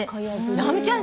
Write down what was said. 直美ちゃん